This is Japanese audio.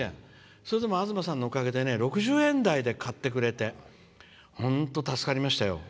それでも東さんのおかげで６０円台で買ってくれて本当に助かりましたよ。